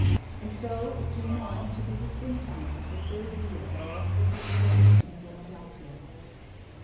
And so it came on to be the springtime of the third year that Elizabeth had spent in Philadelphia.